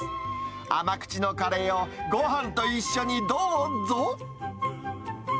甘口のカレーをごはんと一緒にどうぞ。